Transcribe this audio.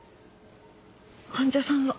患者さんは！？